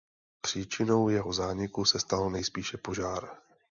Příčinou jeho zániku se stal nejspíše požár.